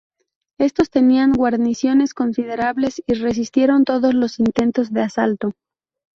Estos tenían guarniciones considerables y resistieron todos los intentos de asalto.